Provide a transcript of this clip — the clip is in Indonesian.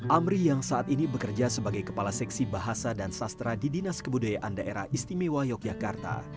amri yang saat ini bekerja sebagai kepala seksi bahasa dan sastra di dinas kebudayaan daerah istimewa yogyakarta